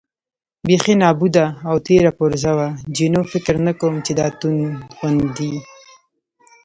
بېخي نابوده او تېره پرزه وه، جینو: فکر نه کوم چې دا توغندي.